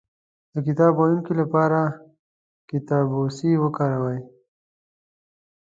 د کتاب ويونکي لپاره کتابڅوبی وکاروئ